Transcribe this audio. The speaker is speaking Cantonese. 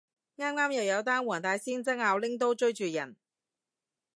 啱啱又有單黃大仙爭拗拎刀追住人